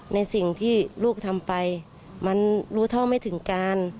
ในสิ่งที่ลูกทำไปมันรู้เท่าไม่ถึงการ